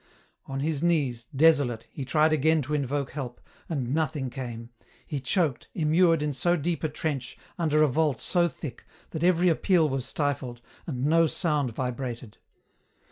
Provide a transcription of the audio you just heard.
On his knees, desolate, he tried again to invoke help, and nothing came; he choked, immured in so deep a trench, under a vault so thick, that every appeal was stifled, and no sound vibrated.